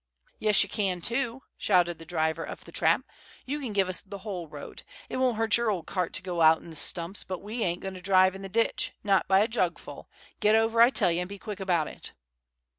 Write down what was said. "Yes, you can, too," shouted the driver of the trap; "you can give us the whole road. It won't hurt your old cart to go out in the stumps, but we ain't going to drive in the ditch, not by a jugful. Get over, I tell you, and be quick about it."